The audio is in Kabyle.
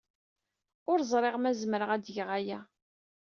Ur ẓriɣ ma zemreɣ ad d-geɣ aya.